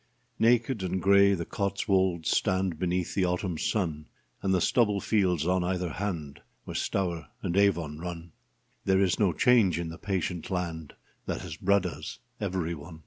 Naked and grey the Cotswolds stand Before Beneath the autumn sun, Edgehill And the stubble fields on either hand October Where Stour and Avon run, 1642. There is no change in the patient land That has bred us every one.